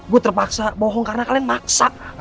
gua terpaksa bohong karena kalian maksat